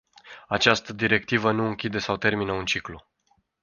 Această directivă nu închide sau termină un ciclu.